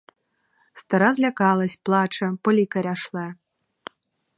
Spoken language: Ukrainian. Стара злякалась, плаче, по лікаря шле.